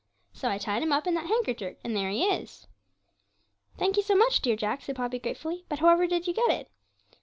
So I tied him up in that handkercher, and there he is.' 'Thank you so much, dear Jack,' said Poppy gratefully. 'But however did you get it?'